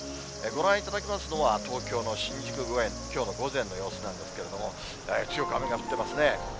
ご覧いただきますのは、東京の新宿御苑、きょうの午前の様子なんですけれども、強く雨が降ってますね。